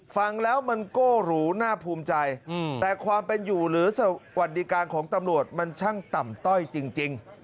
ฟังแล้วมันโก้หรูน่าภูมิใจแต่ความเป็นอยู่หรือสวัสดิการของตำรวจมันช่างต่ำต้อยจริง